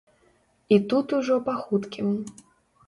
І тут ужо па хуткім.